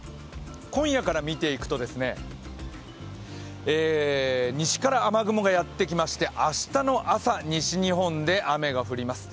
今夜から見ていくと、西から雨雲がやってきまして明日の朝、西日本で雨が降ります。